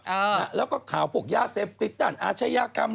แล้วก็ข่าวพวกย่าเซฟติดด่านอาชญากรรมนะ